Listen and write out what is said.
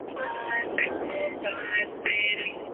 لیکن وہ بچ نکلنے میں کامیاب ہوئے اور